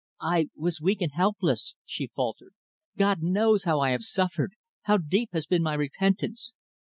"I was weak and helpless," she faltered. "God knows how I have suffered; how deep has been my repentance.